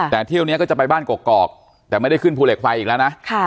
แต่เที่ยวนี้ก็จะไปบ้านกอกแต่ไม่ได้ขึ้นภูเหล็กไฟอีกแล้วนะ